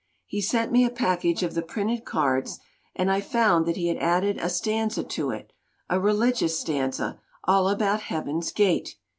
He sent me a package of the printed cards, and I found that he had added a stanza to it a religious stanza, all about Heaven's gate!